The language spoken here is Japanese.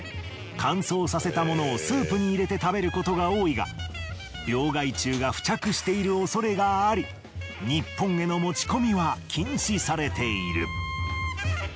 乾燥させたものをスープに入れて食べることが多いが病害虫が付着している恐れがあり日本への持ち込みは禁止されている。